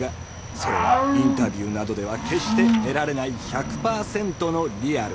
それはインタビューなどでは決して得られない１００％の「リアル」。